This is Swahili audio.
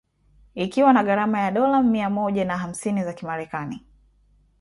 ikiwa na gharama ya dola mia moja na hamsini za kimerekani